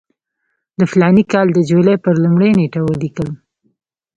د فلاني کال د جولای پر لومړۍ نېټه ولیکل.